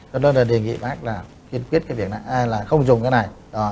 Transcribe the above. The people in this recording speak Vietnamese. cho nên là đề nghị bác là không dùng cái này